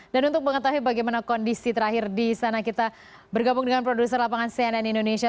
dan untuk mengetahui bagaimana kondisi terakhir di sana kita bergabung dengan produser lapangan cnn indonesia